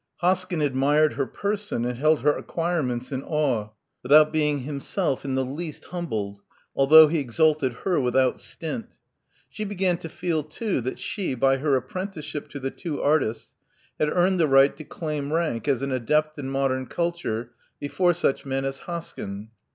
Hoskyn admired her person, and held her acquirements in awe, without being himself in the least humbled, although he exalted her without stint She began to feel, too, that she, by her apprenticeship to the two artists, had earned the right to claim rank as an adept in modern culture before such men as Hoskyn.